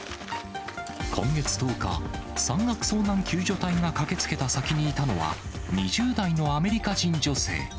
今月１０日、山岳遭難救助隊が駆けつけた先にいたのは、２０代のアメリカ人女性。